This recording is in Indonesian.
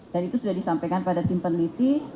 dan itu sudah disampaikan pada tim peneliti